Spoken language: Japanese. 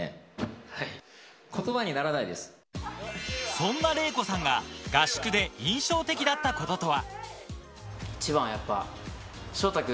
そんなレイコさんが合宿で印象的だったこととは。